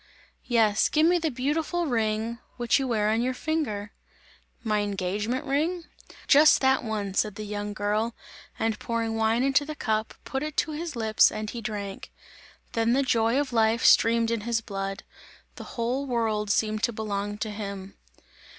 "Yes, give me the beautiful ring, which you wear on your finger!" "My engagement ring?" "Just that one!" said the young girl and pouring wine into the cup, put it to his lips and he drank. Then the joy of life streamed in his blood; the whole world seemed to belong to him.